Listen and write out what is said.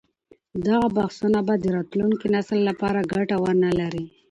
دغه بحثونه به د راتلونکي نسل لپاره ګټه ونه لري.